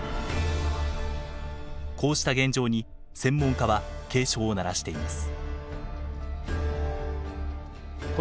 こうした現状に専門家は警鐘を鳴らしています。